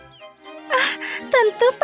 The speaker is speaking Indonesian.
aku ingin menikah denganmu